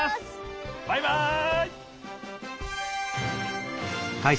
バイバイ。